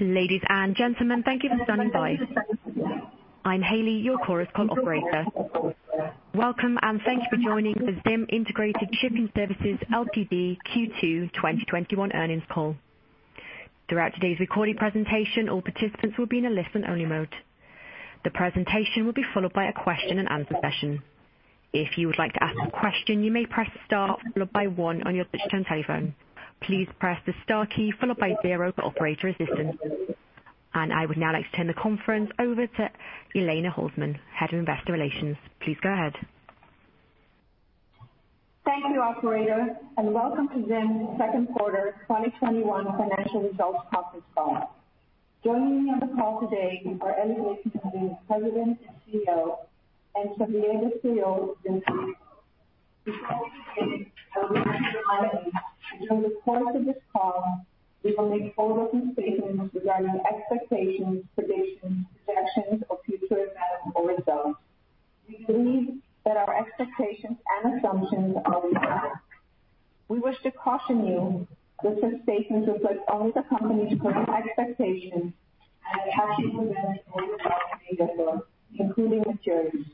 Ladies and gentlemen, thank you for standing by. I'm Hailey, your Chorus Call operator. Welcome, and thank you for joining the ZIM Integrated Shipping Services Ltd Q2 2021 earnings call. Throughout today's recorded presentation, all participants will be in a listen-only mode. The presentation will be followed by a question and answer session. If you would like to ask a question, you may press star followed by one on your touchtone telephone. Please press the star key followed by zero for operator assistance. I would now like to turn the conference over to Elana Holzman, Head of Investor Relations. Please go ahead. Thank you, operator, and welcome to ZIM's second quarter 2021 financial results conference call. Joining me on the call today are Eli Glickman, who is President and CEO, and Xavier Destriau, CFO. Before we begin, I would like to remind you that during the course of this call, we will make forward-looking statements regarding expectations, predictions, projections, or future events or results. We believe that our expectations and assumptions are realistic. We wish to caution you that such statements reflect only the company's current expectations, and are subject to risks and uncertainties, including securities. We apply in the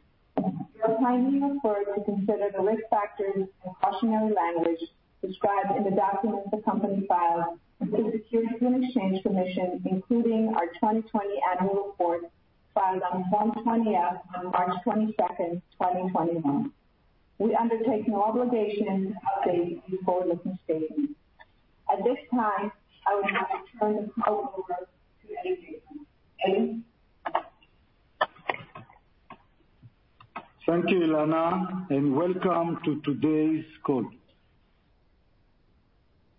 report to consider the risk factors and cautionary language described in the documents the company filed with the Securities and Exchange Commission, including our 2020 annual report filed on Form 20-F on March 22nd, 2021. We undertake no obligation to update these forward-looking statements. At this time, I would now like to turn the call over to Eli Glickman. Eli? Thank you, Elana, welcome to today's call.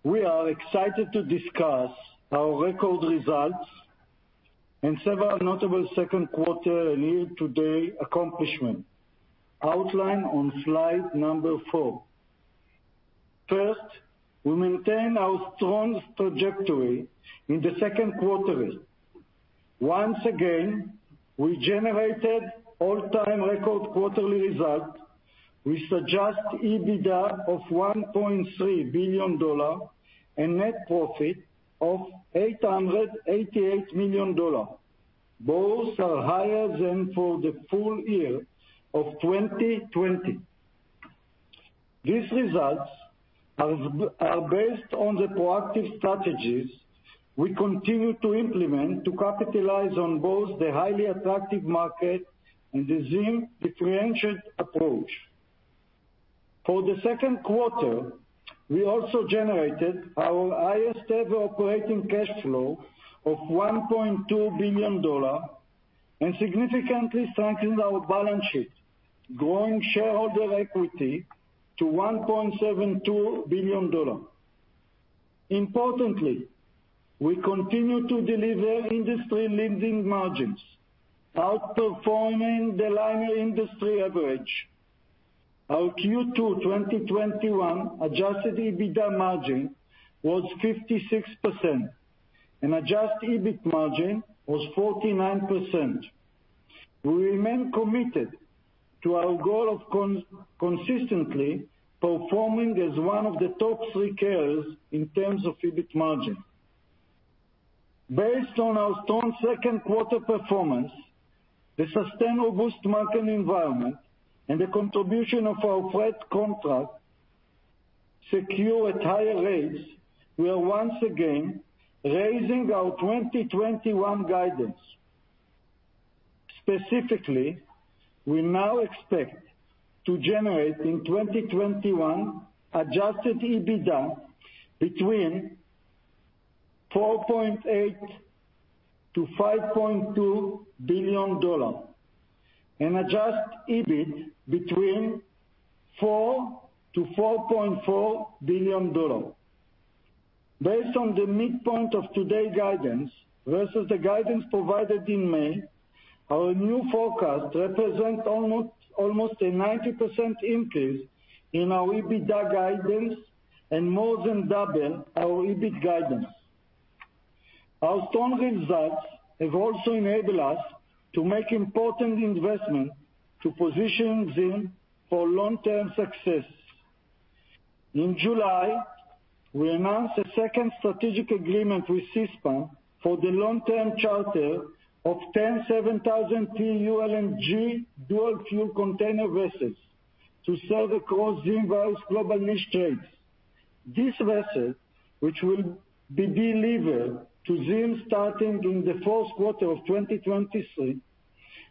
We are excited to discuss our record results and several notable second quarter year-to-date accomplishments outlined on slide four. First, we maintain our strong trajectory in the second quarter. Once again, we generated all-time record quarterly results with adjusted EBITDA of $1.3 billion and net profit of $888 million. Both are higher than for the full year of 2020. These results are based on the proactive strategies we continue to implement to capitalize on both the highly attractive market and the ZIM differentiated approach. For the second quarter, we also generated our highest ever operating cash flow of $1.2 billion and significantly strengthened our balance sheet, growing shareholder equity to $1.72 billion. Importantly, we continue to deliver industry-leading margins, outperforming the liner industry average. Our Q2 2021 adjusted EBITDA margin was 56%, and adjusted EBIT margin was 49%. We remain committed to our goal of consistently performing as one of the top three carriers in terms of EBIT margin. Based on our strong second quarter performance, the sustainable boost market environment, and the contribution of our freight contracts secure at higher rates, we are once again raising our 2021 guidance. Specifically, we now expect to generate in 2021 adjusted EBITDA between $4.8 billion-$5.2 billion, and adjusted EBIT between $4 billion-$4.4 billion. Based on the midpoint of today's guidance versus the guidance provided in May, our new forecast represents almost a 90% increase in our EBITDA guidance and more than double our EBIT guidance. Our strong results have also enabled us to make important investments to position ZIM for long-term success. In July, we announced a second strategic agreement with Seaspan for the long-term charter of 10 7,000 TEU LNG dual-fueled container vessels to serve across ZIM various global niche trades. These vessels, which will be delivered to ZIM starting in the fourth quarter of 2023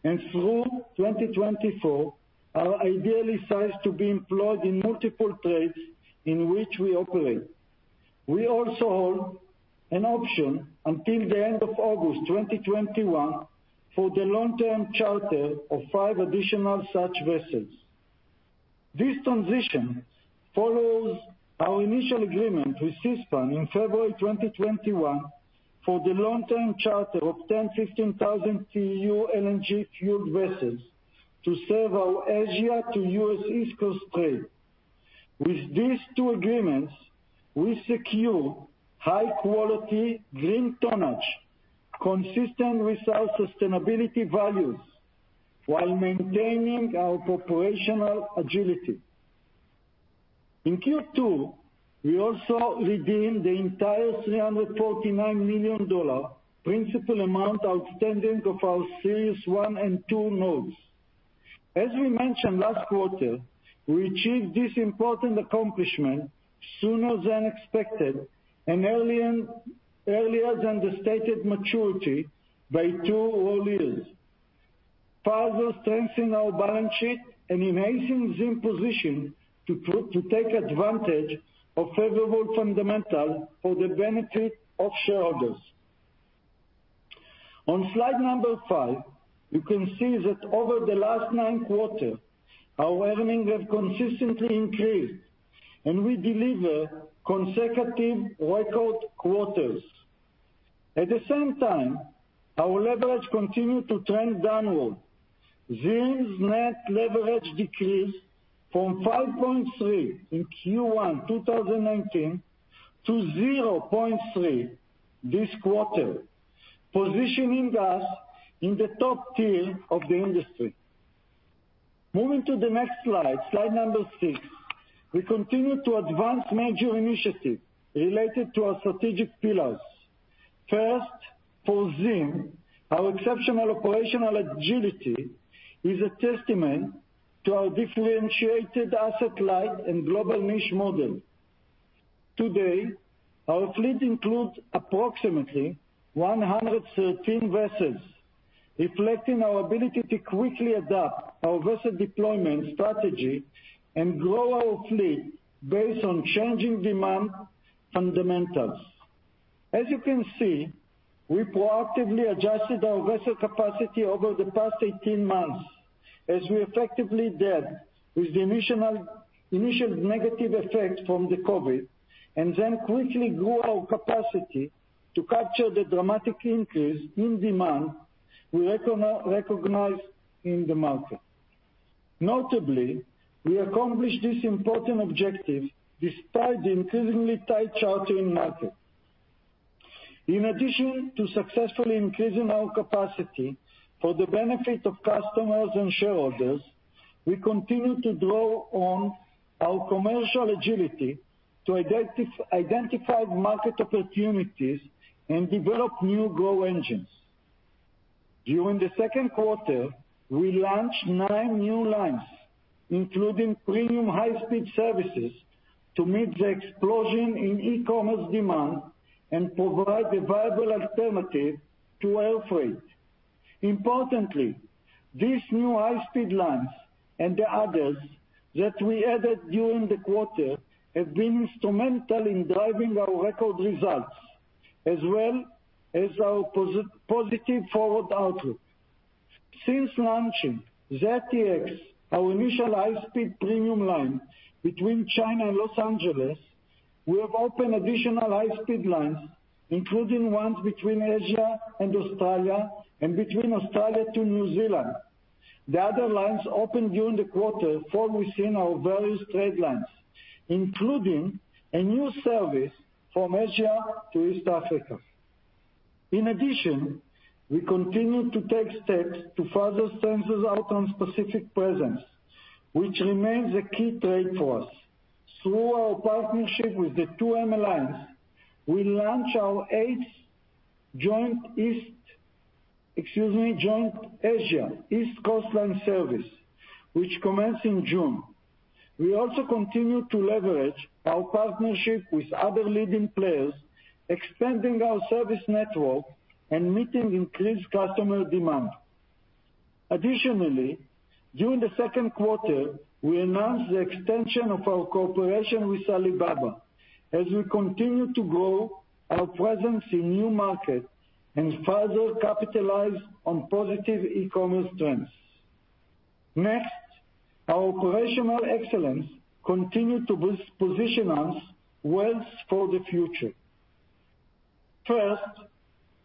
and through 2024, are ideally sized to be employed in multiple trades in which we operate. We also hold an option until the end of August 2021 for the long-term charter of five additional such vessels. This transition follows our initial agreement with Seaspan in February 2021 for the long-term charter of 10 15,000 TEU LNG-fueled vessels to serve our Asia to U.S. East Coast trade. With these two agreements, we secure high-quality green tonnage consistent with our sustainability values while maintaining our operational agility. In Q2, we also redeemed the entire $349 million principal amount outstanding of our Series 1 and 2 notes. As we mentioned last quarter, we achieved this important accomplishment sooner than expected and earlier than the stated maturity by two whole years. Further strengthening our balance sheet and enhancing ZIM position to take advantage of favorable fundamentals for the benefit of shareholders. On slide number five, you can see that over the last nine quarters, our earnings have consistently increased, and we deliver consecutive record quarters. At the same time, our leverage continued to trend downward. ZIM's net leverage decreased from 5.3 in Q1 2019 to 0.3 this quarter, positioning us in the top tier of the industry. Moving to the next slide number six. We continue to advance major initiatives related to our strategic pillars. First, for ZIM, our exceptional operational agility is a testament to our differentiated asset light and global niche model. Today, our fleet includes approximately 113 vessels, reflecting our ability to quickly adapt our vessel deployment strategy and grow our fleet based on changing demand fundamentals. As you can see, we proactively adjusted our vessel capacity over the past 18 months as we effectively dealt with the initial negative effect from the COVID, and then quickly grew our capacity to capture the dramatic increase in demand we recognized in the market. Notably, we accomplished this important objective despite the increasingly tight chartering market. In addition to successfully increasing our capacity for the benefit of customers and shareholders, we continue to draw on our commercial agility to identify market opportunities and develop new growth engines. During the second quarter, we launched nine new lines, including premium high-speed services, to meet the explosion in e-commerce demand and provide a viable alternative to air freight. Importantly, these new high-speed lines and the others that we added during the quarter have been instrumental in driving our record results, as well as our positive forward outlook. Since launching ZEX, our initial high-speed premium line between China and Los Angeles, we have opened additional high-speed lines, including ones between Asia and Australia and between Australia to New Zealand. The other lines opened during the quarter fall within our various trade lines, including a new service from Asia to East Africa. We continue to take steps to further strengthen our Transpacific presence, which remains a key trade for us. Through our partnership with the 2M Alliance, we launch our eighth joint Asia East Coast line service, which commenced in June. We continue to leverage our partnership with other leading players, expanding our service network and meeting increased customer demand. Additionally, during the second quarter, we announced the extension of our cooperation with Alibaba as we continue to grow our presence in new markets and further capitalize on positive e-commerce trends. Next, our operational excellence continued to position us well for the future. First,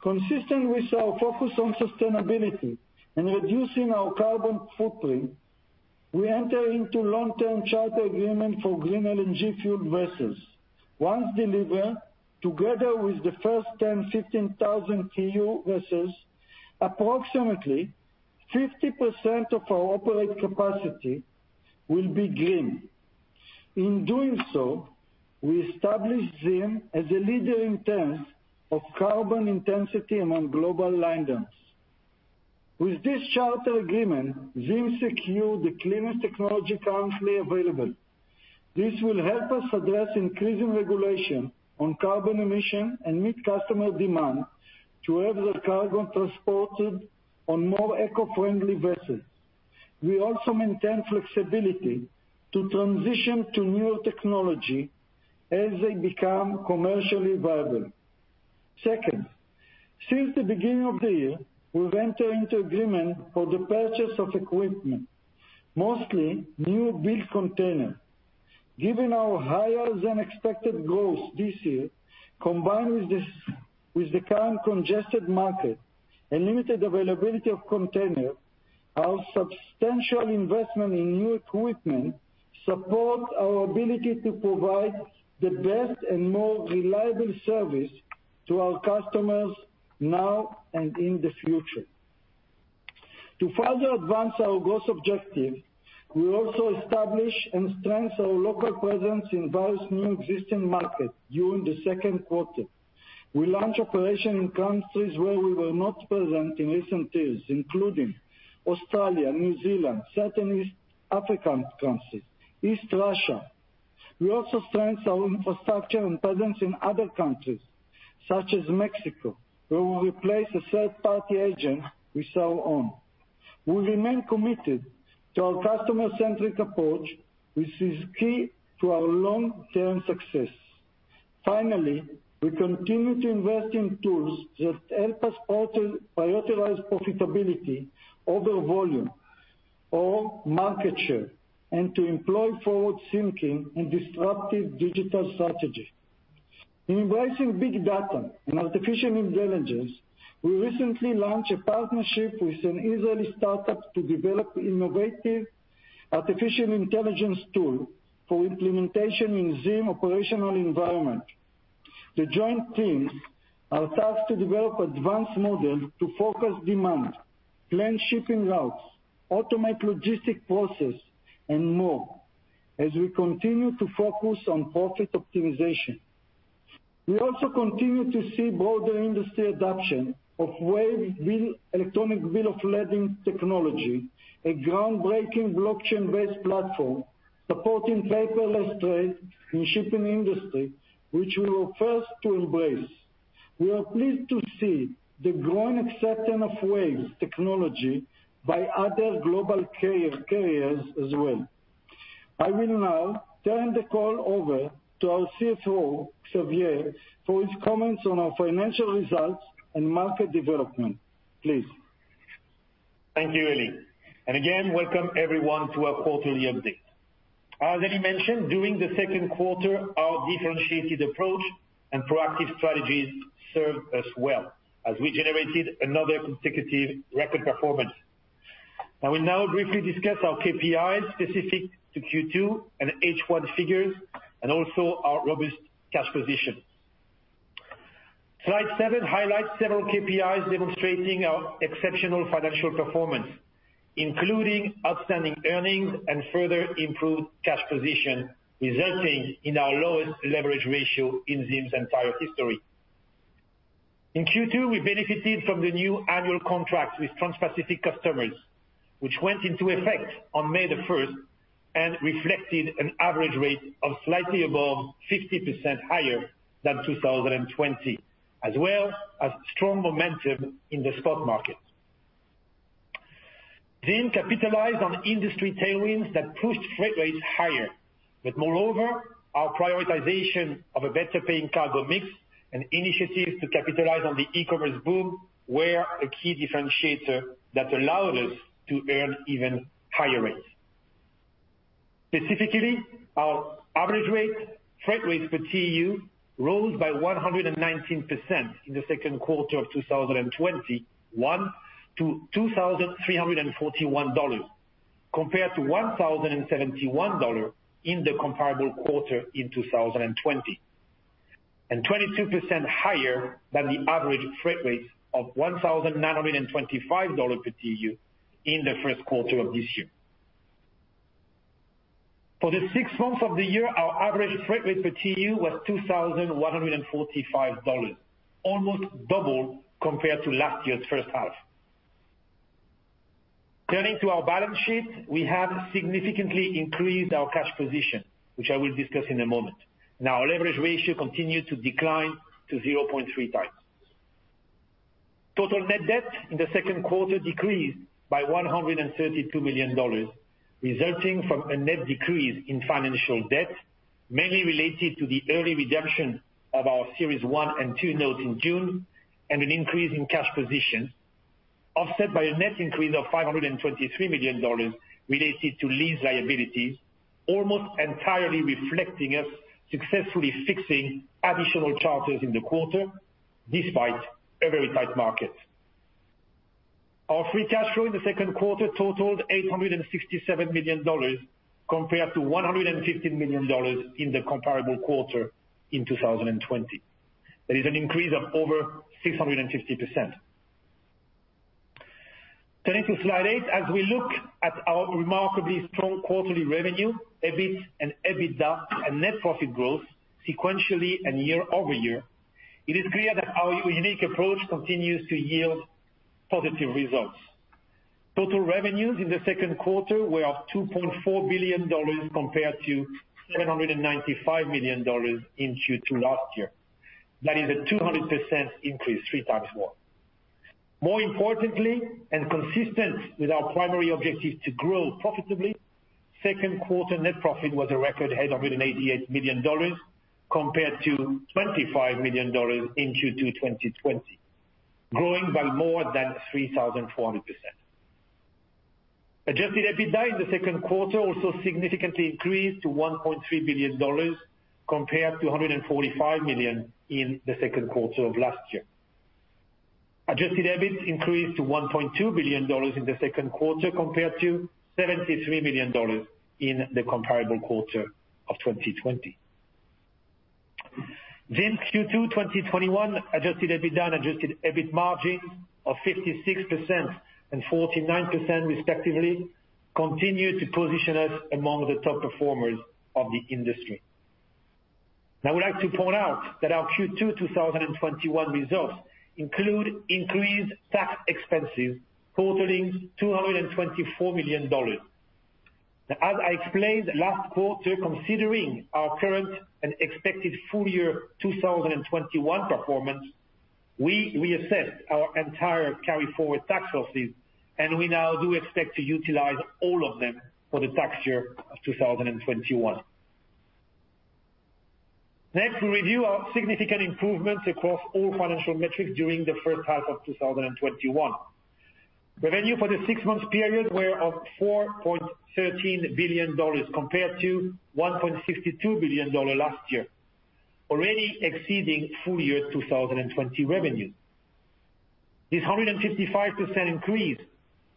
consistent with our focus on sustainability and reducing our carbon footprint, we enter into long-term charter agreement for green LNG fueled vessels. Once delivered, together with the first 10, 15,000 TEU vessels, approximately 50% of our operate capacity will be green. In doing so, we establish ZIM as a leader in terms of carbon intensity among global line dominance. With this charter agreement, ZIM secure the cleanest technology currently available. This will help us address increasing regulation on carbon emission and meet customer demand to have their cargo transported on more eco-friendly vessels. We also maintain flexibility to transition to newer technology as they become commercially viable. Second, since the beginning of the year, we've entered into agreement for the purchase of equipment, mostly new build containers. Given our higher-than-expected growth this year, combined with the current congested market and limited availability of containers, our substantial investment in new equipment supports our ability to provide the best and most reliable service to our customers now and in the future. To further advance our growth objective, we also establish and strengthen our local presence in various new existing markets during the second quarter. We launch operation in countries where we were not present in recent years, including Australia, New Zealand, certain East African countries, East Russia. We also strengthen our infrastructure and presence in other countries, such as Mexico, where we replace a third-party agent with our own. We remain committed to our customer-centric approach, which is key to our long-term success. We continue to invest in tools that help us prioritize profitability over volume or market share, and to employ forward-thinking and disruptive digital strategies. In embracing big data and artificial intelligence, we recently launched a partnership with an Israeli startup to develop innovative artificial intelligence tool for implementation in ZIM operational environment. The joint teams are tasked to develop advanced models to focus demand, plan shipping routes, automate logistic process, and more, as we continue to focus on profit optimization. We also continue to see broader industry adoption of Wave Electronic Bill of Lading technology, a groundbreaking blockchain-based platform supporting paperless trade in shipping industry, which we were first to embrace. We are pleased to see the growing acceptance of Wave technology by other global carriers as well. I will now turn the call over to our CFO, Xavier, for his comments on our financial results and market development. Please. Thank you, Eli. Again, welcome everyone to our quarterly update. As Eli mentioned, during the second quarter, our differentiated approach and proactive strategies served us well as we generated another consecutive record performance. I will now briefly discuss our KPIs specific to Q2 and H1 figures, and also our robust cash position. Slide seven highlights several KPIs demonstrating our exceptional financial performance, including outstanding earnings and further improved cash position, resulting in our lowest leverage ratio in ZIM's entire history. In Q2, we benefited from the new annual contracts with Transpacific customers, which went into effect on May 1st and reflected an average rate of slightly above 50% higher than 2020, as well as strong momentum in the spot market. ZIM capitalized on industry tailwinds that pushed freight rates higher. Moreover, our prioritization of a better-paying cargo mix and initiatives to capitalize on the e-commerce boom were a key differentiator that allowed us to earn even higher rates. Specifically, our average rate, freight rates per TEU rose by 119% in Q2 2021 to $2,341, compared to $1,071 in the comparable quarter in 2020, and 22% higher than the average freight rates of $1,925 per TEU in the first quarter of this year. For the six months of the year, our average freight rate per TEU was $2,145, almost double compared to last year's first half. Turning to our balance sheet, we have significantly increased our cash position, which I will discuss in a moment. Now, our leverage ratio continued to decline to 0.3 times. Total net debt in the second quarter decreased by $132 million, resulting from a net decrease in financial debt, mainly related to the early redemption of our Series 1 and 2 notes in June, and an increase in cash position, offset by a net increase of $523 million related to lease liabilities, almost entirely reflecting us successfully fixing additional charters in the quarter, despite a very tight market. Our free cash flow in the second quarter totaled $867 million compared to $115 million in the comparable quarter in 2020. That is an increase of over 650%. Turning to slide eight. As we look at our remarkably strong quarterly revenue, EBIT and EBITDA and net profit growth sequentially and year-over-year, it is clear that our unique approach continues to yield positive results. Total revenues in the second quarter were of $2.4 billion compared to $795 million in Q2 last year. That is a 200% increase, three times more. More importantly, and consistent with our primary objective to grow profitably, second quarter net profit was a record $888 million compared to $25 million in Q2 2020, growing by more than 3,400%. Adjusted EBITDA in the second quarter also significantly increased to $1.3 billion compared to $145 million in the second quarter of last year. Adjusted EBIT increased to $1.2 billion in the second quarter compared to $73 million in the comparable quarter of 2020. ZIM's Q2 2021 adjusted EBITDA and adjusted EBIT margins of 56% and 49%, respectively, continue to position us among the top performers of the industry. I would like to point out that our Q2 2021 results include increased tax expenses totaling $224 million. As I explained last quarter, considering our current and expected full year 2021 performance, we assessed our entire carry forward tax losses, and we now do expect to utilize all of them for the tax year of 2021. Next, we review our significant improvements across all financial metrics during the first half of 2021. Revenue for the six-month period were of $4.13 billion, compared to $1.62 billion last year, already exceeding full year 2020 revenue. This 155% increase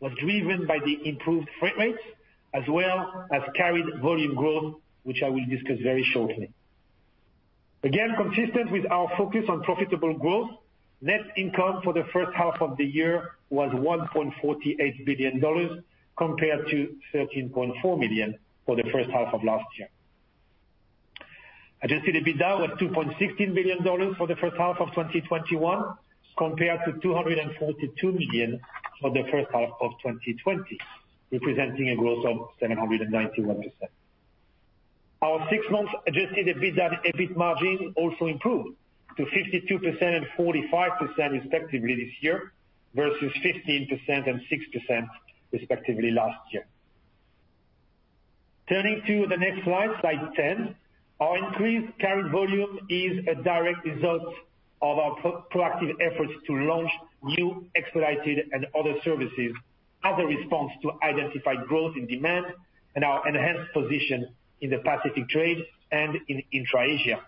was driven by the improved freight rates as well as carried volume growth, which I will discuss very shortly. Again, consistent with our focus on profitable growth, net income for the first half of the year was $1.48 billion, compared to $13.4 million for the first half of last year. Adjusted EBITDA was $2.16 billion for the first half of 2021, compared to $242 million for the first half of 2020, representing a growth of 791%. Our six months adjusted EBITDA EBIT margin also improved to 52% and 45% respectively this year versus 15% and 6% respectively last year. Turning to the next slide 10. Our increased carried volume is a direct result of our proactive efforts to launch new expedited and other services as a response to identified growth in demand and our enhanced position in the Pacific trade and in intra-Asia.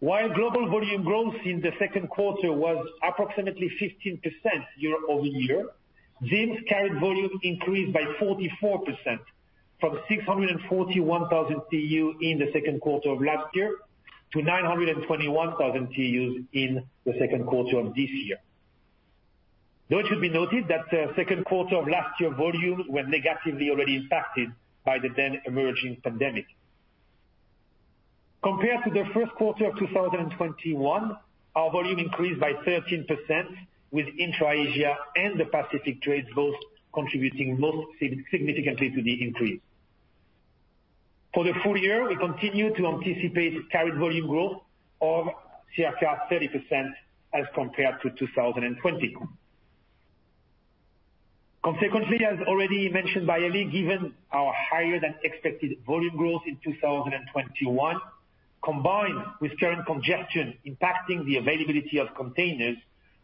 While global volume growth in the second quarter was approximately 15% year-over-year, ZIM's carried volume increased by 44%, from 641,000 TEU in the second quarter of last year to 921,000 TEUs in the second quarter of this year. Though it should be noted that second quarter of last year volumes were negatively already impacted by the then emerging pandemic. Compared to the first quarter of 2021, our volume increased by 13%, with intra-Asia and the Transpacific trades both contributing most significantly to the increase. For the full year, we continue to anticipate carried volume growth of circa 30% as compared to 2020. Consequently, as already mentioned by Eli, given our higher than expected volume growth in 2021, combined with current congestion impacting the availability of containers,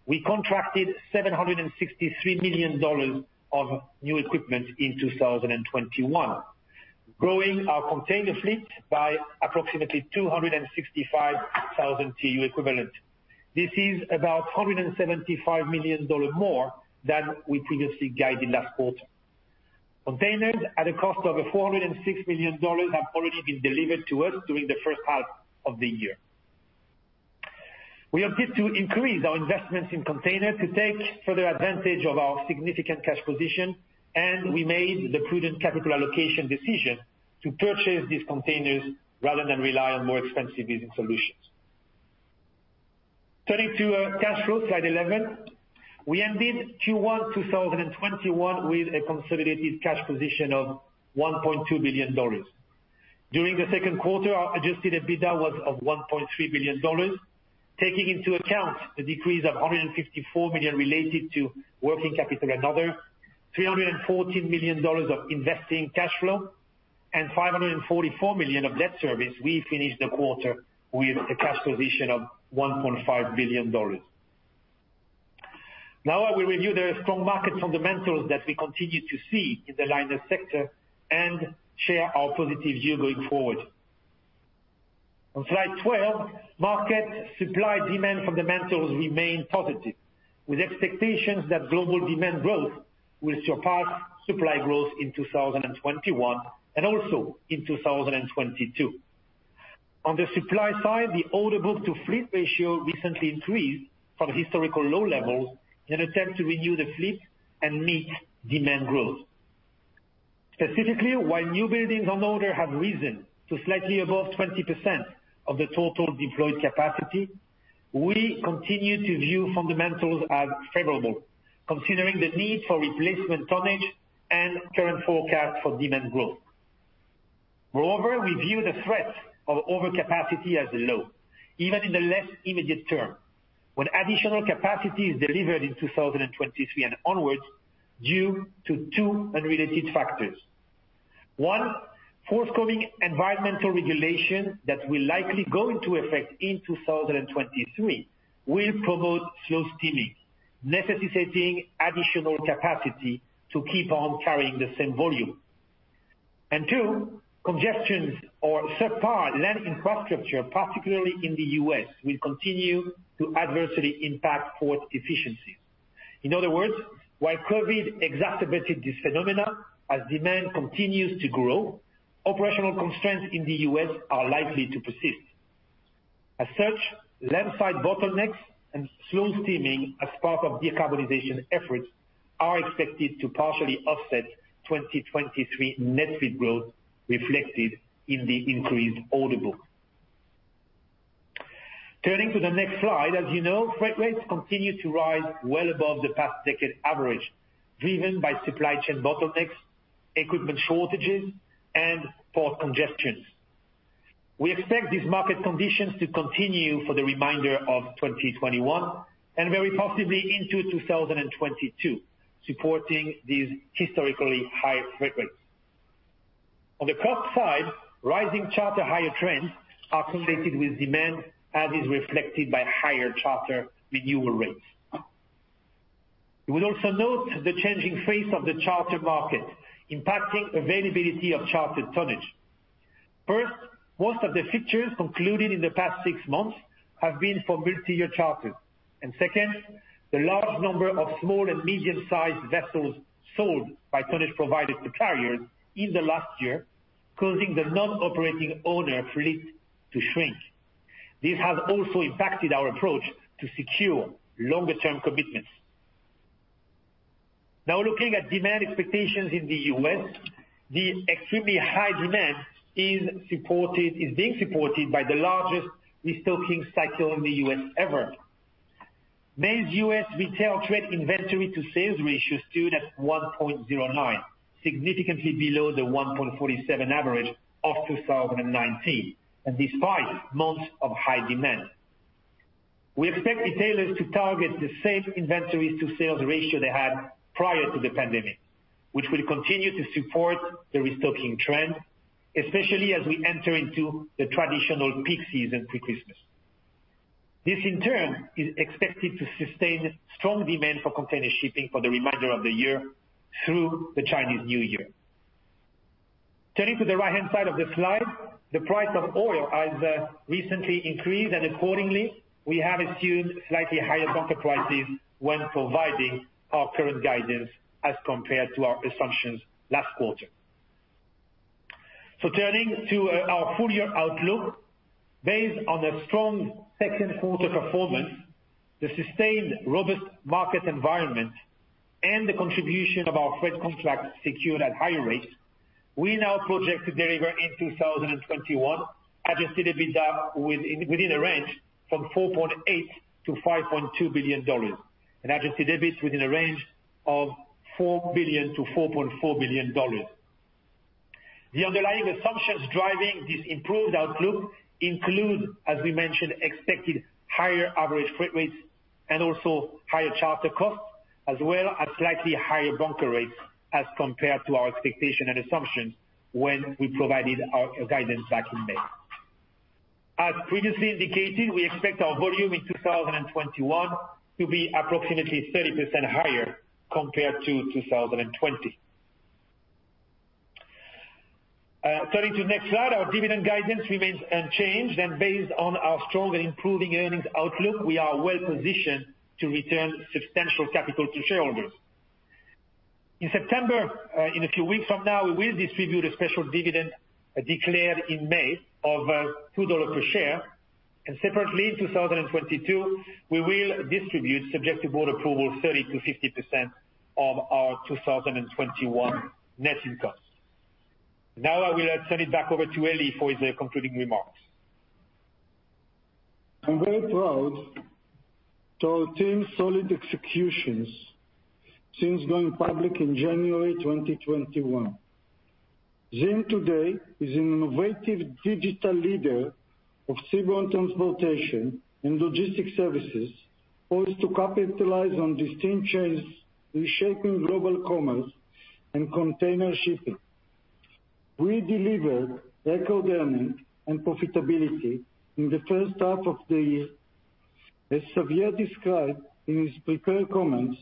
we contracted $763 million of new equipment in 2021, growing our container fleet by approximately 265,000 TEU equivalent. This is about $175 million more than we previously guided last quarter. Containers at a cost of $406 million have already been delivered to us during the first half of the year. We opted to increase our investments in containers to take further advantage of our significant cash position, and we made the prudent capital allocation decision to purchase these containers rather than rely on more expensive leasing solutions. Turning to our cash flow, slide 11. We ended Q1 2021 with a consolidated cash position of $1.2 billion. During the second quarter, our adjusted EBITDA was of $1.3 billion. Taking into account the decrease of $154 million related to working capital and other $314 million of investing cash flow and $544 million of net service, we finished the quarter with a cash position of $1.5 billion. Now I will review the strong market fundamentals that we continue to see in the liners sector and share our positive view going forward. On slide 12, market supply-demand fundamentals remain positive, with expectations that global demand growth will surpass supply growth in 2021 and also in 2022. On the supply side, the order book to fleet ratio recently increased from historical low levels in an attempt to renew the fleet and meet demand growth. Specifically, while new buildings on order have risen to slightly above 20% of the total deployed capacity, we continue to view fundamentals as favorable, considering the need for replacement tonnage and current forecast for demand growth. Moreover, we view the threat of overcapacity as low, even in the less immediate term, when additional capacity is delivered in 2023 and onwards due to two unrelated factors. One, forthcoming environmental regulation that will likely go into effect in 2023 will promote slow steaming, necessitating additional capacity to keep on carrying the same volume. Two, congestions or subpar land infrastructure, particularly in the U.S., will continue to adversely impact port efficiency. In other words, while COVID exacerbated this phenomena, as demand continues to grow, operational constraints in the U.S. are likely to persist. As such, landside bottlenecks and slow steaming as part of decarbonization efforts are expected to partially offset 2023 net fleet growth reflected in the increased order book. Turning to the next slide. As you know, freight rates continue to rise well above the past decade average, driven by supply chain bottlenecks, equipment shortages, and port congestions. We expect these market conditions to continue for the remainder of 2021 and very possibly into 2022, supporting these historically high freight rates. On the cost side, rising charter hire trends are correlated with demand as is reflected by higher charter renewal rates. You will also note the changing face of the charter market impacting availability of chartered tonnage. First, most of the fixtures concluded in the past six months have been for multi-year charters. Second, the large number of small and medium-sized vessels sold by tonnage providers to carriers in the last year causing the non-operating owner fleet to shrink. This has also impacted our approach to secure longer-term commitments. Now looking at demand expectations in the U.S., the extremely high demand is being supported by the largest restocking cycle in the U.S. ever. Main U.S. retail trade inventory to sales ratio stood at 1.09, significantly below the 1.47 average of 2019, despite months of high demand. We expect retailers to target the same inventories to sales ratio they had prior to the pandemic, which will continue to support the restocking trend, especially as we enter into the traditional peak season pre-Christmas. This in turn, is expected to sustain strong demand for container shipping for the remainder of the year through the Chinese New Year. Turning to the right-hand side of the slide, the price of oil has recently increased, and accordingly, we have assumed slightly higher bunker prices when providing our current guidance as compared to our assumptions last quarter. Turning to our full-year outlook. Based on a strong second quarter performance, the sustained robust market environment, and the contribution of our freight contracts secured at higher rates, we now project to deliver in 2021 adjusted EBITDA within a range from $4.8 billion-$5.2 billion, and adjusted EBIT within a range of $4 billion-$4.4 billion. The underlying assumptions driving this improved outlook include, as we mentioned, expected higher average freight rates and also higher charter costs, as well as slightly higher bunker rates as compared to our expectation and assumptions when we provided our guidance back in May. As previously indicated, we expect our volume in 2021 to be approximately 30% higher compared to 2020. Turning to the next slide, our dividend guidance remains unchanged, and based on our strong and improving earnings outlook, we are well-positioned to return substantial capital to shareholders. In September, in a few weeks from now, we will distribute a special dividend declared in May of $2 per share. Separately in 2022, we will distribute, subject to board approval, 30%-50% of our 2021 net income. Now, I will send it back over to Eli, for his concluding remarks. I'm very proud to our team's solid executions since going public in January 2021. ZIM today, is an innovative digital leader of seaborne transportation and logistics services poised to capitalize on distinct trends reshaping global commerce and container shipping. We delivered record earnings and profitability in the first half of the year. As Xavier described in his prepared comments,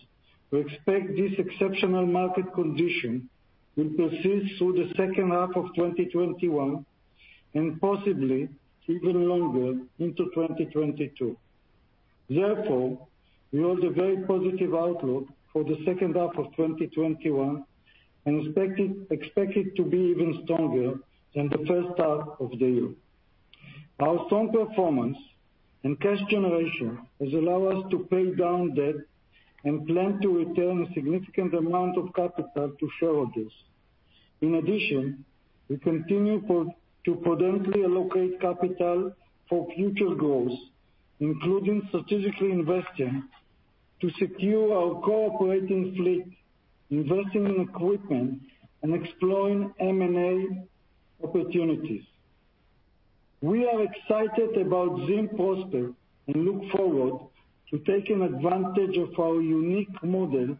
we expect this exceptional market condition will persist through the second half of 2021 and possibly even longer into 2022. Therefore, we hold a very positive outlook for the second half of 2021 and expect it to be even stronger than the first half of the year. Our strong performance and cash generation has allowed us to pay down debt and plan to return a significant amount of capital to shareholders. We continue to prudently allocate capital for future growth, including strategic investing to secure our cooperating fleet, investing in equipment, and exploring M&A opportunities. We are excited about ZIM [poster] and look forward to taking advantage of our unique model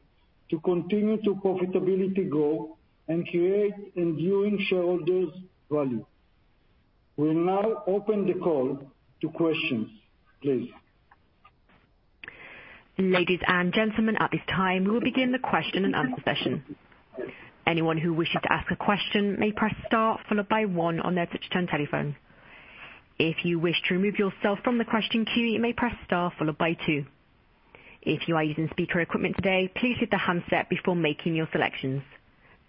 to continue to profitably grow and create enduring shareholders value. We'll now open the call to questions, please. Ladies and gentlemen, at this time, we will begin the question and answer session. Anyone who wishes to ask a question may press star followed by one on their touch-tone telephone. If you wish to remove yourself from the question queue, you may press star followed by two. If you are using speaker equipment today, please hit the handset before making your selections.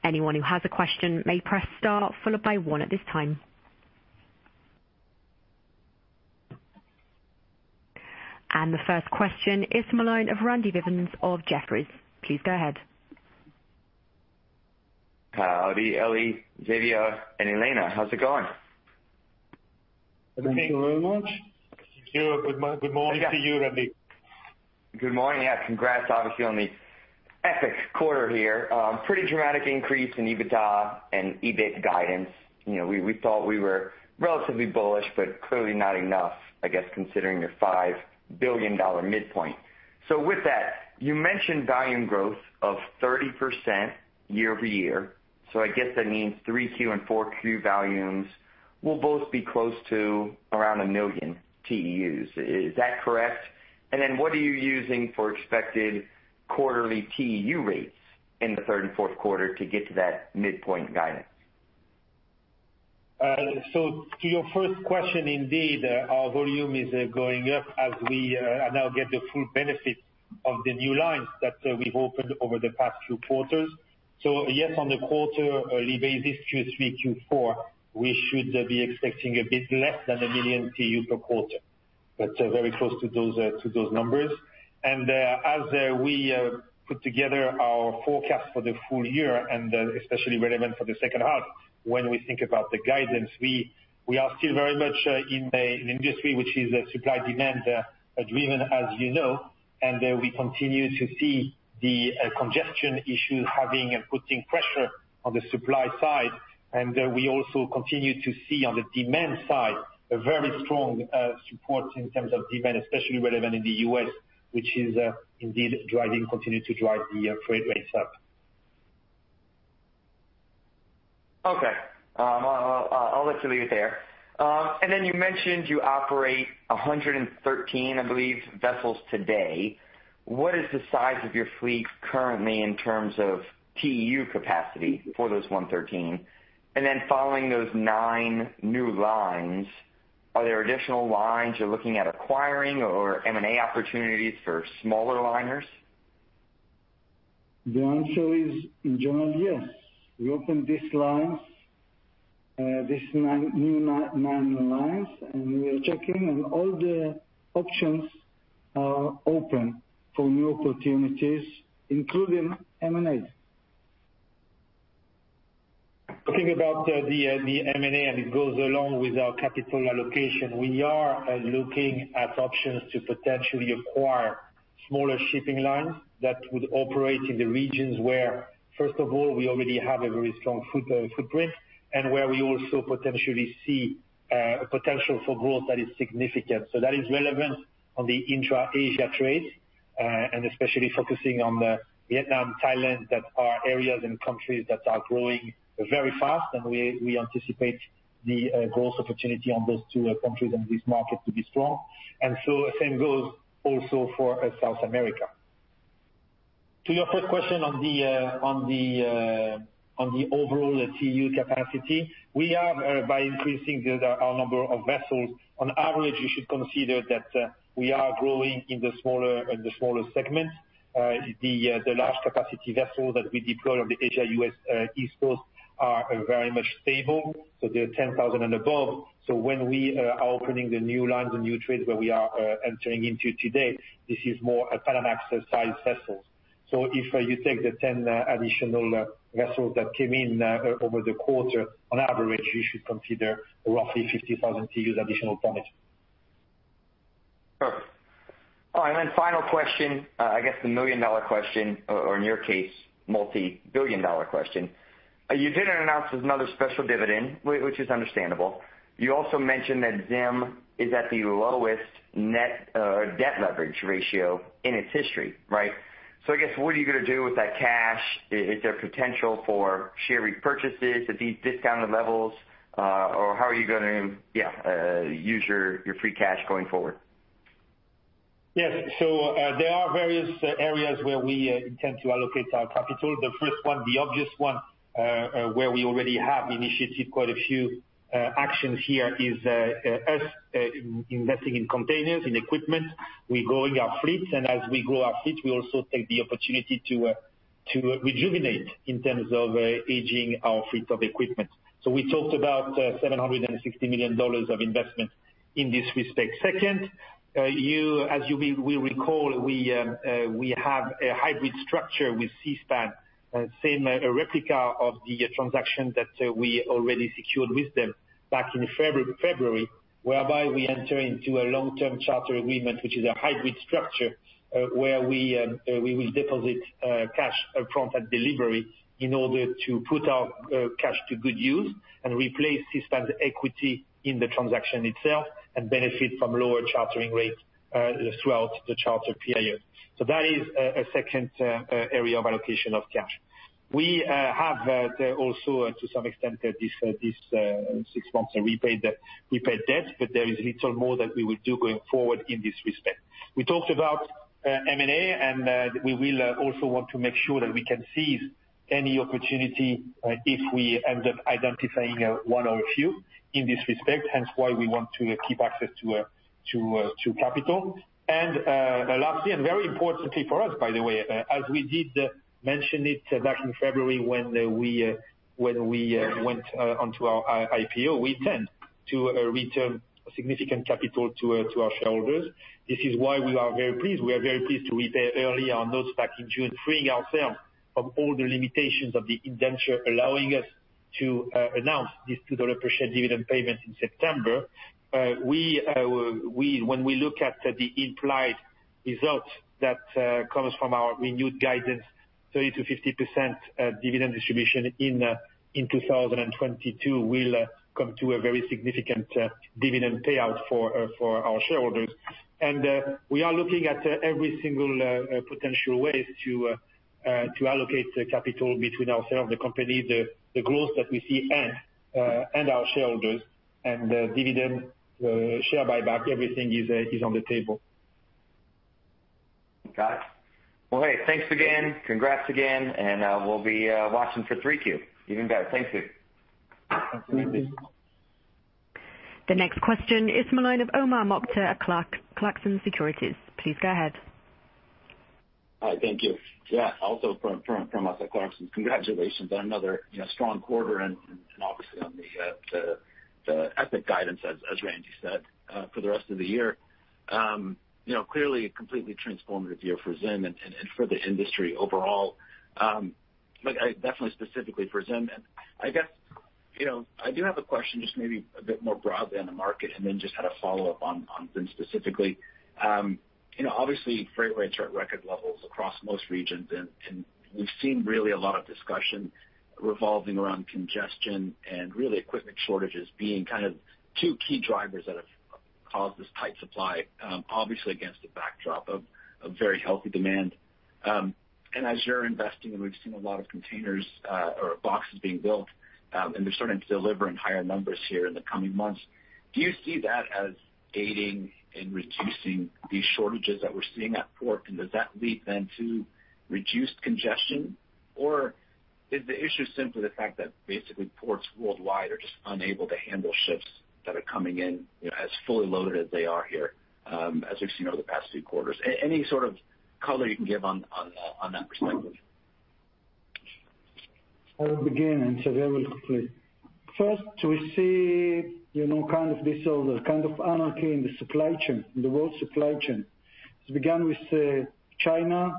Anyone who has a question may press star followed by one at this time. The first question is from the line of Randy Giveans of Jefferies. Please go ahead. Howdy, Eli, Xavier, and Elana. How's it going? Thank you very much. Thank you. Good morning to you, Randy. Good morning. Congrats, obviously, on the epic quarter here. Pretty dramatic increase in EBITDA and EBIT guidance. We thought we were relatively bullish, but clearly not enough, I guess, considering your $5 billion midpoint. With that, you mentioned volume growth of 30% year-over-year. I guess that means 3Q and 4Q volumes will both be close to around a million TEUs. Is that correct? What are you using for expected quarterly TEU rates in the third and fourth quarter to get to that midpoint guidance? To your first question, indeed, our volume is going up as we now get the full benefit of the new lines that we've opened over the past few quarters. Yes, on the quarterly basis, Q3, Q4, we should be expecting a bit less than 1 million TEU per quarter. That's very close to those numbers. As we put together our forecast for the full year, and especially relevant for the second half, when we think about the guidance, we are still very much in an industry which is supply/demand driven, as you know, and we continue to see the congestion issues having and putting pressure on the supply side. We also continue to see on the demand side, a very strong support in terms of demand, especially relevant in the U.S., which is indeed driving, continue to drive the freight rates up. Okay. I'll let you leave it there. You mentioned you operate 113, I believe, vessels today. What is the size of your fleet currently in terms of TEU capacity for those 113? Following those nine new lines, are there additional lines you're looking at acquiring or M&A opportunities for smaller liners? The answer is, in general, yes. We opened these lines, these new nine lines, and we are checking, and all the options are open for new opportunities, including M&As. Think about the M&A. It goes along with our capital allocation. We are looking at options to potentially acquire smaller shipping lines that would operate in the regions where, first of all, we already have a very strong footprint, and where we also potentially see a potential for growth that is significant. That is relevant on the intra-Asia trade, and especially focusing on the Vietnam, Thailand, that are areas and countries that are growing very fast, and we anticipate the growth opportunity on those 2 countries and this market to be strong. Same goes also for South America. To your first question on the overall TEU capacity, we are by increasing our number of vessels. On average, you should consider that we are growing in the smaller segments. The large capacity vessels that we deploy on the Asia, U.S. East Coast are very much stable, so they're 10,000 and above. When we are opening the new lines and new trades where we are entering into today, this is more a Panamax size vessels. If you take the 10 additional vessels that came in over the quarter, on average, you should consider roughly 50,000 TEUs additional tonnages. Perfect. All right, final question, I guess the million-dollar question, or in your case, multi-billion-dollar question. You didn't announce another special dividend, which is understandable. You also mentioned that ZIM is at the lowest net debt leverage ratio in its history, right? I guess, what are you going to do with that cash? Is there potential for share repurchases at these discounted levels? How are you going to, yeah, use your free cash going forward? Yes. There are various areas where we intend to allocate our capital. The first one, the obvious one, where we already have initiated quite a few actions here is, us investing in containers and equipment. We're growing our fleets, and as we grow our fleet, we also take the opportunity to rejuvenate in terms of aging our fleet of equipment. We talked about $760 million of investment in this respect. Second, as you will recall, we have a hybrid structure with Seaspan, same replica of the transaction that we already secured with them back in February, whereby we enter into a long-term charter agreement, which is a hybrid structure, where we will deposit cash up front at delivery in order to put our cash to good use and replace Seaspan's equity in the transaction itself and benefit from lower chartering rates throughout the charter period. That is a second area of allocation of cash. We have also, to some extent these six months, repaid debt, but there is little more that we will do going forward in this respect. We talked about M&A, we will also want to make sure that we can seize any opportunity if we end up identifying one or a few in this respect, hence why we want to keep access to capital. Lastly, and very importantly for us, by the way, as we did mention it back in February when we went onto our IPO, we intend to return significant capital to our shareholders. This is why we are very pleased. We are very pleased to repay early our notes back in June, freeing ourselves of all the limitations of the indenture, allowing us to announce this $2 per share dividend payment in September. When we look at the implied results that comes from our renewed guidance, 30%-50% dividend distribution in 2022 will come to a very significant dividend payout for our shareholders. We are looking at every single potential way to allocate the capital between ourselves, the company, the growth that we see, and our shareholders, and the dividend share buyback. Everything is on the table. Got it. Well, hey, thanks again. Congrats again. We'll be watching for 3Q even better. Thank you. The next question is the line of Omar Nokta at Clarksons Securities. Please go ahead. Hi, thank you. Yeah, also from us at Clarkson, congratulations on another strong quarter and obviously on the epic guidance, as Randy said, for the rest of the year. Clearly, a completely transformative year for ZIM and for the industry overall. Definitely specifically for ZIM. I guess, I do have a question just maybe a bit more broadly on the market, and then just had a follow-up on ZIM specifically. Obviously, freight rates are at record levels across most regions, and we've seen really a lot of discussion revolving around congestion and really equipment shortages being kind of two key drivers that have caused this tight supply, obviously against a backdrop of very healthy demand. As you're investing, and we've seen a lot of containers or boxes being built, and they're starting to deliver in higher numbers here in the coming months, do you see that as aiding in reducing these shortages that we're seeing at port? Does that lead then to reduced congestion? Is the issue simply the fact that basically ports worldwide are just unable to handle ships that are coming in as fully loaded as they are here as we've seen over the past few quarters? Any sort of color you can give on that perspective. I will begin. Xavier will complete. First, we see kind of disorder, kind of anarchy in the supply chain, in the world supply chain. It began with China,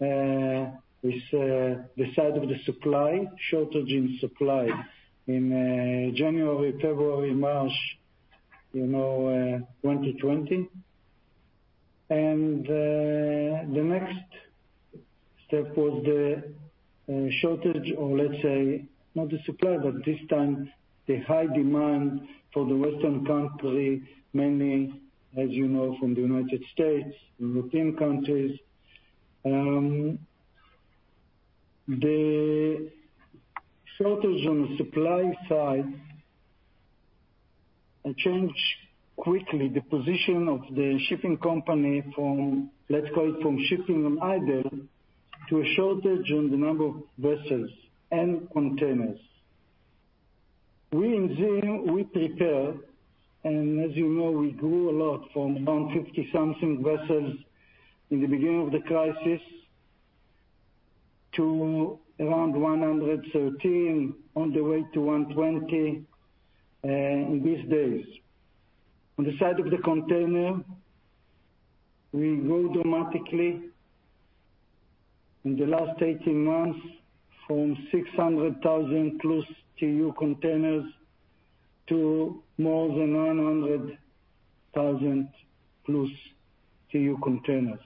with the side of the supply, shortage in supply in January, February, March 2020. The next step was the shortage, or let's say not the supply, but this time the high demand for the Western country, mainly, as you know, from the U.S., European countries. The shortage on the supply side changed quickly the position of the shipping company from, let's call it, from shipping on idle to a shortage in the number of vessels and containers. We in ZIM, we prepare, and as you know, we grew a lot from around 50 something vessels in the beginning of the crisis to around 113, on the way to 120 in these days. On the side of the container, we grew dramatically in the last 18 months from 600,000+ TEU containers to more than 900,000+ TEU containers.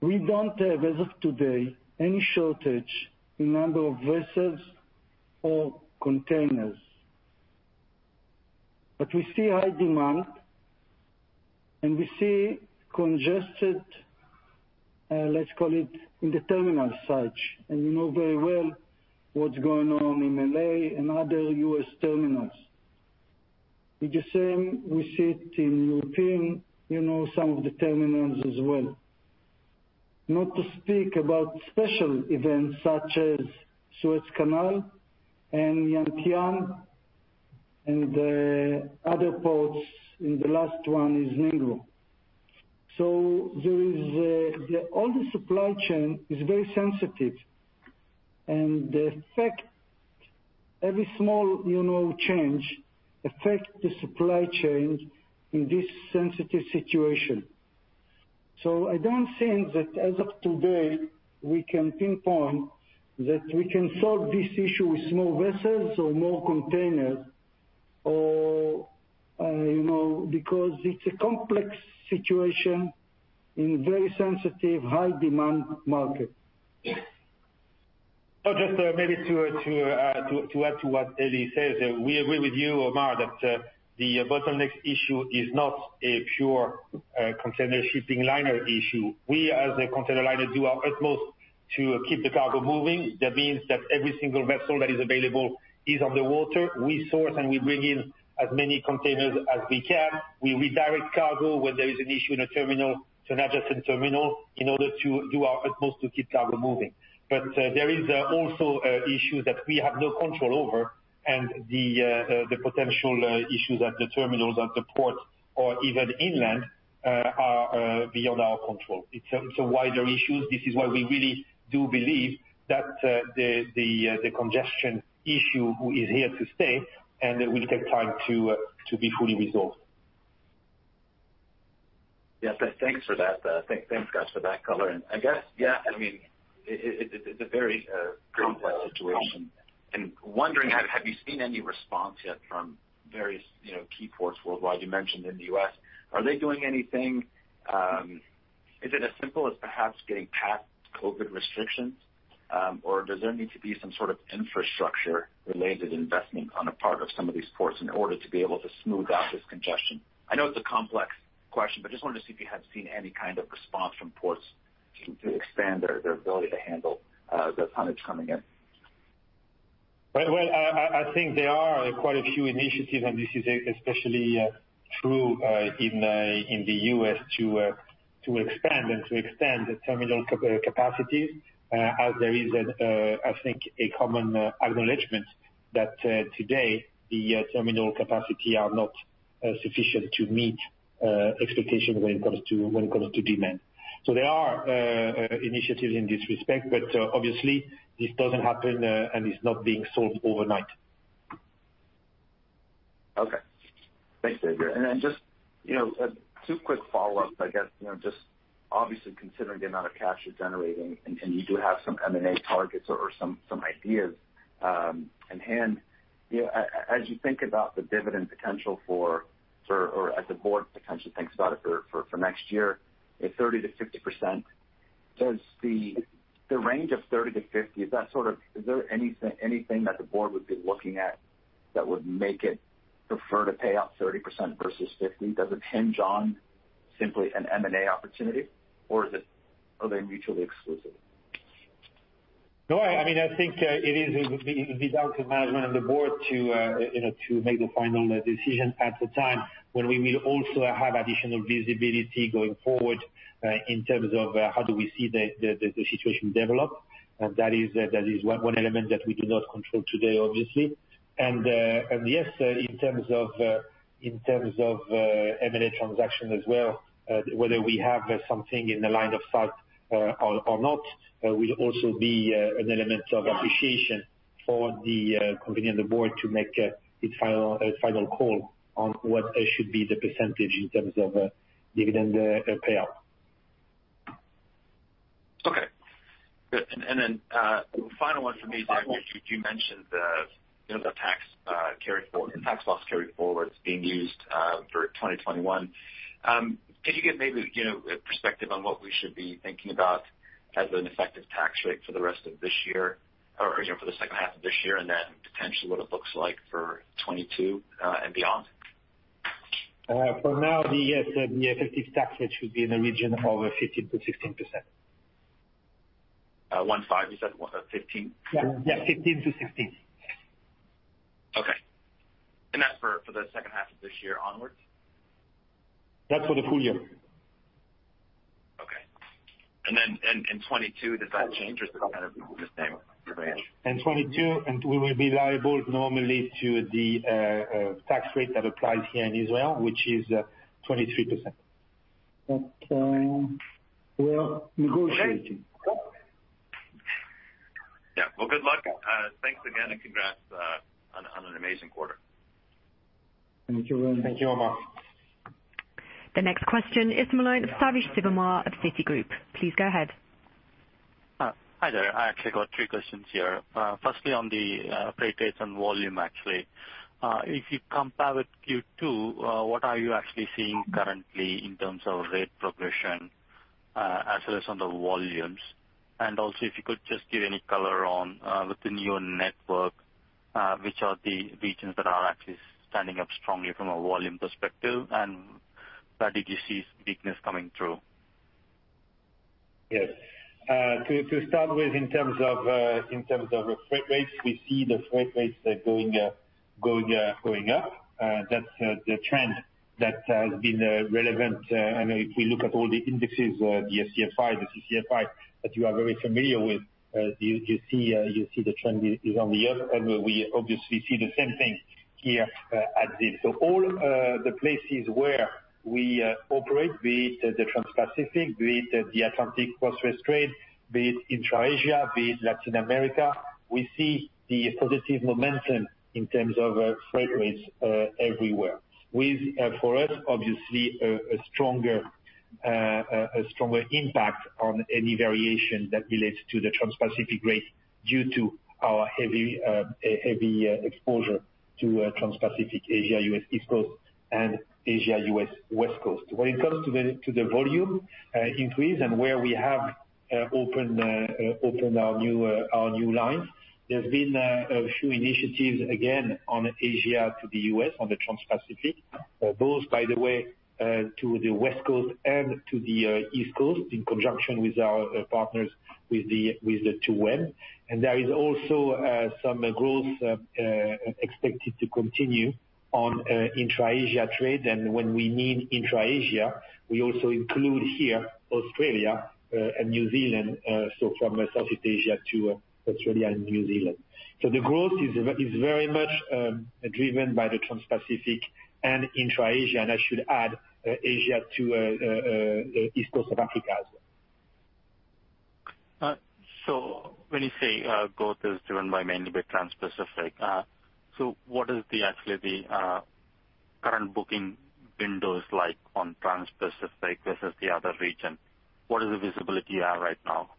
We don't have, as of today, any shortage in number of vessels or containers. We see high demand, and we see congested, let's call it, in the terminal side. We know very well what's going on in L.A. and other U.S. terminals. With the same, we see it in European, some of the terminals as well. Not to speak about special events such as Suez Canal and Yantian and other ports, and the last one is Ningbo. All the supply chain is very sensitive, and every small change affect the supply chain in this sensitive situation. I don't think that as of today, we can pinpoint that we can solve this issue with more vessels or more containers, because it's a complex situation in very sensitive, high-demand market. Oh, just maybe to add to what Eli says, we agree with you, Omar, that the bottleneck issue is not a pure container shipping liner issue. We, as a container liner, do our utmost to keep the cargo moving. That means that every single vessel that is available is on the water. We source and we bring in as many containers as we can. We redirect cargo when there is an issue in a terminal to an adjacent terminal in order to do our utmost to keep cargo moving. There is also issues that we have no control over, and the potential issues at the terminals, at the ports or even inland are beyond our control. It's a wider issue. This is why we really do believe that the congestion issue is here to stay, and it will take time to be fully resolved. Yes. Thanks for that. Thanks, guys, for that color. I guess, it's a very complex situation. Wondering, have you seen any response yet from various key ports worldwide? You mentioned in the U.S., are they doing anything? Is it as simple as perhaps getting past COVID restrictions, or does there need to be some sort of infrastructure-related investment on the part of some of these ports in order to be able to smooth out this congestion? I know it's a complex question, but just wanted to see if you had seen any kind of response from ports to expand their ability to handle the tonnage coming in. I think there are quite a few initiatives, and this is especially true in the U.S. to expand and to extend the terminal capacity, as there is, I think, a common acknowledgement that today the terminal capacity are not sufficient to meet expectation when it comes to demand. There are initiatives in this respect, but obviously this doesn't happen, and it's not being solved overnight. Okay. Thanks, Xavier. Just two quick follow-ups. I guess, just obviously considering the amount of cash you're generating, you do have some M&A targets or some ideas in hand. As you think about the dividend potential for, or as the Board potentially thinks about it for next year, a 30%-50%, does the range of 30%-50%, is there anything that the Board would be looking at that would make it prefer to pay out 30% versus 50%? Does it hinge on simply an M&A opportunity, or are they mutually exclusive? No, I think it is the result of management and the board to make the final decision at the time when we will also have additional visibility going forward in terms of how do we see the situation develop. That is one element that we do not control today, obviously. Yes, in terms of M&A transaction as well, whether we have something in the line of sight or not, will also be an element of appreciation for the company and the board to make its final call on what should be the percentage in terms of dividend payout. Okay. Good. Final one for me, you mentioned the tax loss carry-forwards being used for 2021. Could you give maybe a perspective on what we should be thinking about as an effective tax rate for the rest of this year, or for the second half of this year, and then potentially what it looks like for 2022 and beyond? For now, yes, the effective tax rate should be in the region of 15%-16%. 15, you said 15? 15 to 16. Okay. That's for the second half of this year onwards? That's for the full year. Okay. In 2022, does that change or is it kind of the same range? In 2022, we will be liable normally to the tax rate that applies here in Israel, which is 23%. We are negotiating. Yeah. Well, good luck. Thanks again, and congrats on an amazing quarter. Thank you. Thank you, Omar. The next question is the line of Sathish Sivakumar of Citigroup. Please go ahead. Hi there. I actually got three questions here. Firstly, on the freight rates and volume, actually. If you compare with Q2, what are you actually seeing currently in terms of rate progression, as well as on the volumes? Also, if you could just give any color on, within your network, which are the regions that are actually standing up strongly from a volume perspective, and where did you see weakness coming through? Yes. To start with, in terms of freight rates, we see the freight rates going up. That's the trend that has been relevant, and if we look at all the indexes, the SCFI, the CCFI, that you are very familiar with, you see the trend is on the up, and we obviously see the same thing here at ZIM. All the places where we operate, be it the Transpacific, be it the Atlantic Cross-Suez trade, be it intra-Asia, be it Latin America, we see the positive momentum in terms of freight rates everywhere. With, for us, obviously, a stronger impact on any variation that relates to the Transpacific rate due to our heavy exposure to Transpacific Asia, U.S. East Coast and Asia, U.S. West Coast. When it comes to the volume increase and where we have opened our new lines, there have been a few initiatives, again, on Asia to the U.S. on the Transpacific. Both, by the way, to the West Coast and to the East Coast, in conjunction with our partners with the 2M. There is also some growth expected to continue on intra-Asia trade. When we mean intra-Asia, we also include here Australia and New Zealand. From Southeast Asia to Australia and New Zealand. The growth is very much driven by the Transpacific and intra-Asia, and I should add Asia to East Coast of Africa as well. When you say growth is driven mainly by Transpacific, what is actually the current booking windows like on Transpacific versus the other region? What is the visibility at right now?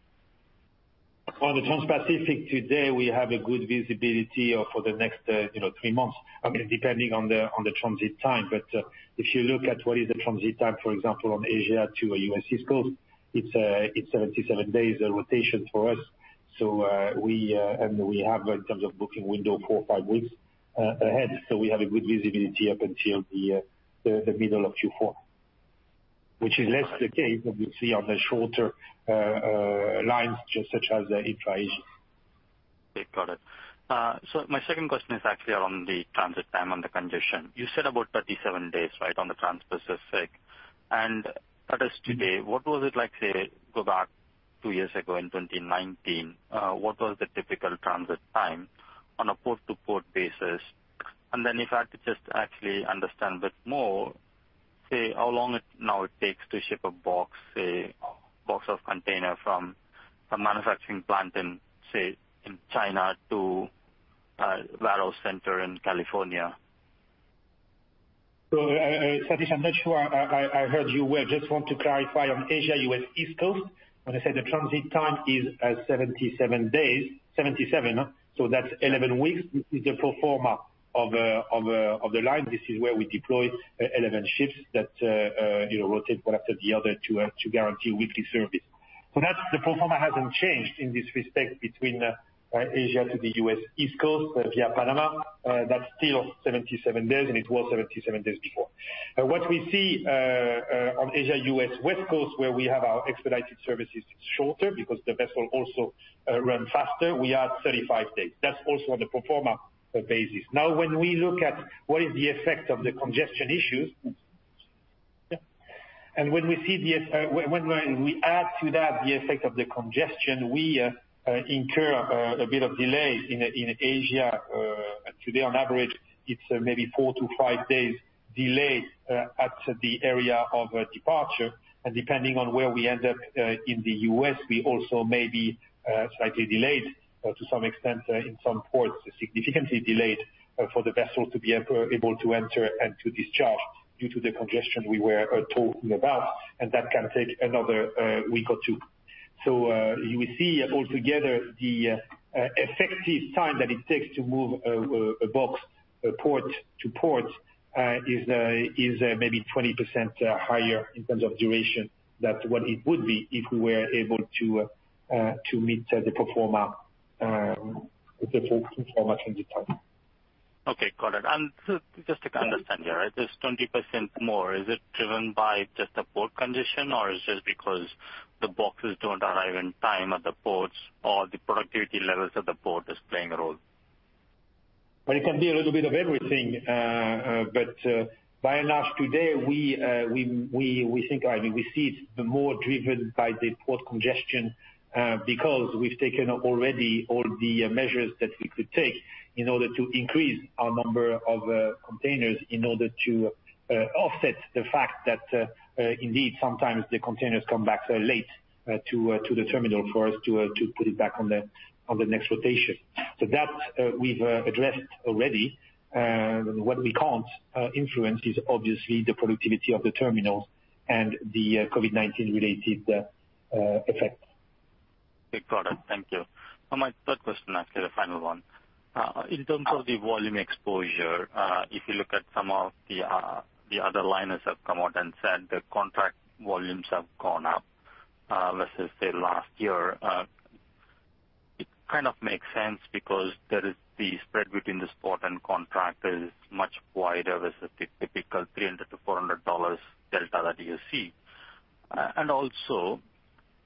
On the Transpacific today, we have a good visibility for the next three months, depending on the transit time. If you look at what is the transit time, for example, on Asia to a U.S. East Coast, it's 77 days rotation for us. We have, in terms of booking window, four or five weeks ahead. We have a good visibility up until the middle of Q4. Which is less the case, obviously, on the shorter lines, such as the intra-Asia. Got it. My second question is actually around the transit time and the congestion. You said about 37 days, right, on the Transpacific, and that is today. What was it like, say, go back two years ago in 2019, what was the typical transit time on a port-to-port basis? If I could just actually understand a bit more, say, how long now it takes to ship a box of container from a manufacturing plant in China to a warehouse center in California. Sathish, I'm not sure I heard you well. Just want to clarify, on Asia, U.S. East Coast, when I say the transit time is 77 days. 77, that's 11 weeks, is the pro forma of the line. This is where we deploy 11 ships that rotate one after the other to guarantee weekly service. The pro forma hasn't changed in this respect between Asia to the U.S. East Coast via Panama. That's still 77 days, and it was 77 days before. What we see on Asia, U.S. West Coast, where we have our expedited services, it's shorter because the vessel also runs faster. We are at 35 days. That's also on the pro forma basis. When we look at what is the effect of the congestion issues, when we add to that the effect of the congestion, we incur a bit of delay in Asia. Today, on average, it's maybe four to five days delay at the area of departure. Depending on where we end up in the U.S., we also may be slightly delayed to some extent, in some ports, significantly delayed for the vessel to be able to enter and to discharge due to the congestion we were talking about, and that can take another week or two. You will see altogether, the effective time that it takes to move a box port to port is maybe 20% higher in terms of duration than what it would be if we were able to meet the pro forma transit time. Okay, got it. Just to understand here, this 20% more, is it driven by just the port condition, or is just because the boxes don't arrive in time at the ports, or the productivity levels of the port is playing a role? Well, it can be a little bit of everything. By and large today, we think, we see it more driven by the port congestion because we've taken already all the measures that we could take in order to increase our number of containers, in order to offset the fact that indeed, sometimes the containers come back late to the terminal for us to put it back on the next rotation. That we've addressed already. What we can't influence is obviously the productivity of the terminals and the COVID-19 related effects. Got it. Thank you. My third question, actually, the final one. In terms of the volume exposure, if you look at some of the other liners have come out and said the contract volumes have gone up versus, say, last year. It kind of makes sense because there is the spread between the spot and contract is much wider versus the typical $300-$400 delta that you see. Also,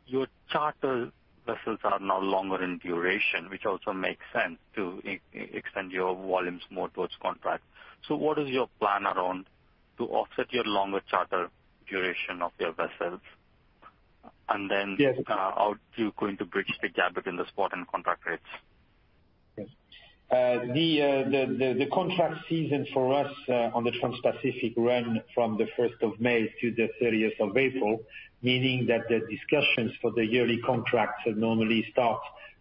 your charter vessels are now longer in duration, which also makes sense to extend your volumes more towards contract. What is your plan around to offset your longer charter duration of your vessels? Yes. How are you going to bridge the gap between the spot and contract rates? Yes. The contract season for us on the Transpacific run from the 1st of May to the 30th of April, meaning that the discussions for the yearly contracts normally start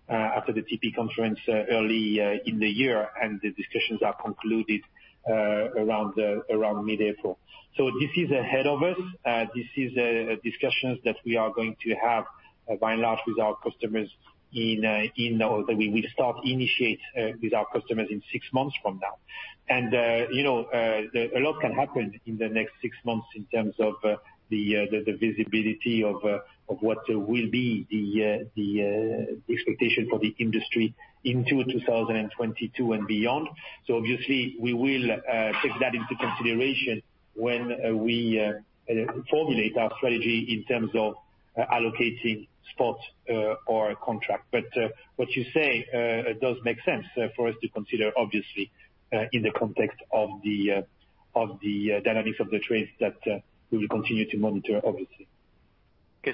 after the TPM Conference early in the year. The discussions are concluded around mid-April. This is ahead of us. These are discussions that we are going to have by and large with our customers, or that we will start initiate with our customers in six months from now. A lot can happen in the next six months in terms of the visibility of what will be the expectation for the industry into 2022 and beyond. Obviously we will take that into consideration when we formulate our strategy in terms of allocating spot or contract. What you say does make sense for us to consider, obviously, in the context of the dynamics of the trades that we will continue to monitor, obviously.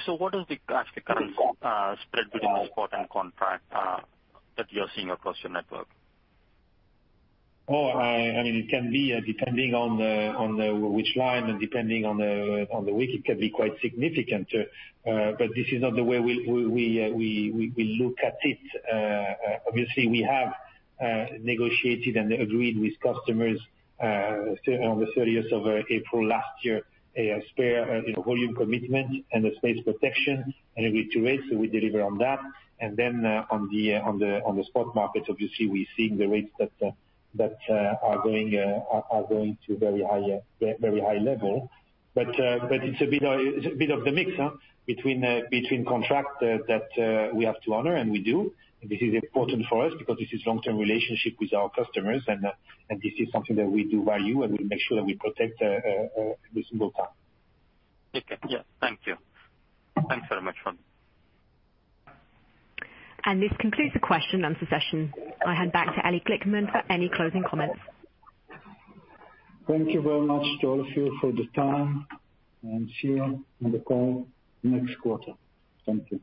What is the current spread between the spot and contract that you are seeing across your network? It can be, depending on which line and depending on the week, it can be quite significant. This is not the way we look at it. Obviously, we have negotiated and agreed with customers on the 30th of April last year, a spare volume commitment and a space protection, and agreed to it, so we deliver on that. Then on the spot market, obviously, we're seeing the rates that are going to very high level. It's a bit of the mix between contract that we have to honor, and we do. This is important for us because this is long-term relationship with our customers, and this is something that we do value, and we make sure that we protect every single time. Okay. Yeah. Thank you. Thanks very much. This concludes the question and answer session. I hand back to Eli Glickman, for any closing comments. Thank you very much to all of you for the time, and see you on the call next quarter. Thank you